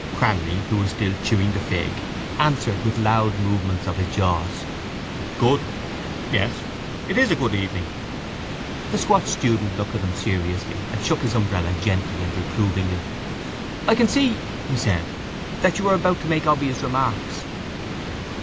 Cranly, who was still chewing the fig, answered with loud movements of his jaws. —Good? Yes. It is a good evening. The squat student looked at him seriously and shook his umbrella gently and reprovingly. —I can see, he said, that you are about to make obvious remarks.